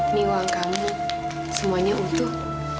ini uang kamu semuanya utuh